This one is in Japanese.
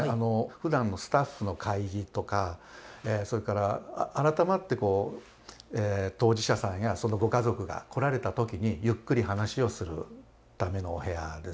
普段のスタッフの会議とかそれから改まって当事者さんやそのご家族が来られた時にゆっくり話をするためのお部屋ですね。